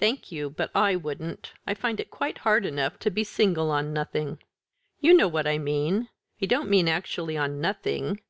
"Thank you, but I wouldn't. I find it quite hard enough to be single on nothing." "You know what I mean; I don't mean actually on nothing.